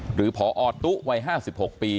หรือพอตุ๊วัย๕๖ปี